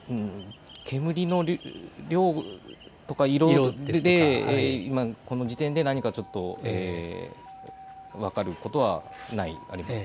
煙の量とか色でこの時点で何か分かることはありません。